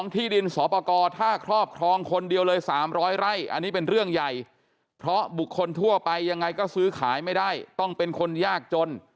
ที่ดินสอปกรถ้าครอบครองคนเดียวเลย๓๐๐ไร่อันนี้เป็นเรื่องใหญ่เพราะบุคคลทั่วไปยังไงก็ซื้อขายไม่ได้ต้องเป็นคนยากจน